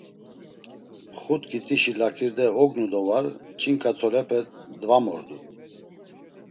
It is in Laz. Xut ǩitişi laǩirde ognu do var; Ç̌inǩa tolepe dvamordu.